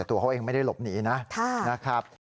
แต่ตัวเขาเองไม่ได้หลบหนีนะ